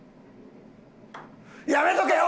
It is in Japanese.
やめとけよ！